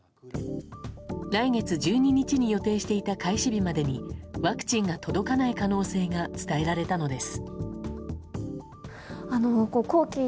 来月１２日に予定していた開始日までにワクチンが届かない可能性が伝えられたのです。